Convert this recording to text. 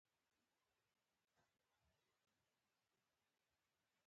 د کانونو پر استخراج ولاړ اقتصاد نورې ضمني اغېزې هم وکړې.